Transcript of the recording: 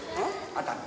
熱海。